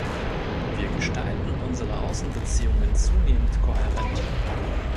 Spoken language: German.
Wir gestalten unsere Außenbeziehungen zunehmend kohärent.